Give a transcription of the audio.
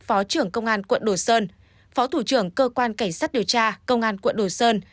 phó trưởng công an quận đồ sơn phó thủ trưởng cơ quan cảnh sát điều tra công an quận đồ sơn